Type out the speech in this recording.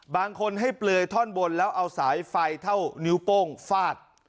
บางคนให้เปลือยท่อนบนแล้วเอาสายไฟเท่านิ้วโป้งฟาด